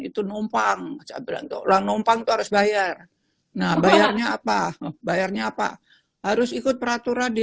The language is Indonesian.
itu numpang cabaran tolong numpang terus bayar nah bayarnya apa bayarnya apa harus ikut peraturan di